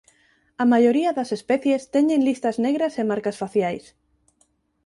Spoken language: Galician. A maioría das especies teñen listas negras e marcas faciais.